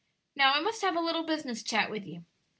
Now, I must have a little business chat with you.